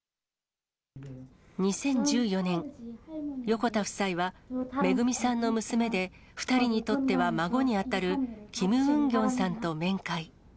２０１４年、横田夫妻はめぐみさんの娘で２人にとっては孫に当たるキム・ウンギョンさんと面会。